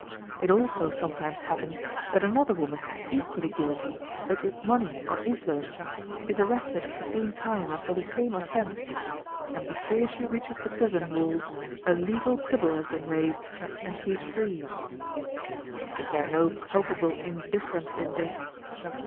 It also sometimes happens that another woman equally guilty, but with money or influence, is arrested at the same time and for the same offense, and before she reaches the prison walls a legal quibble has been raised and she is free. Is there no culpable indifference in this?